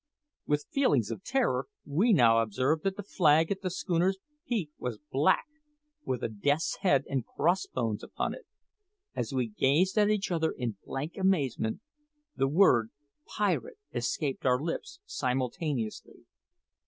With feelings of terror we now observed that the flag at the schooner's peak was black, with a Death's head and cross bones upon it. As we gazed at each other in blank amazement, the word "pirate" escaped our lips simultaneously.